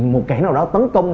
một kẻ nào đó tấn công